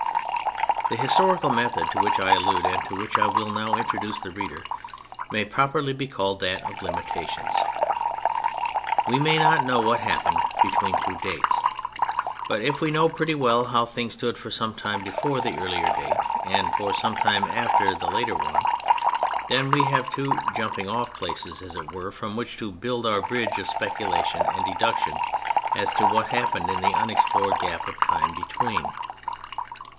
The historical method to which I allude and to which I will now introduce the reader may properly be called that of limitations. We may not know what happened between two dates; but if we know pretty well how things stood for some time before the earlier date and for sometime after the later one, then we have two "jumping off places," as it were, from which to build our bridge of speculation and deduction as to what happened in the unexplored gap of time between.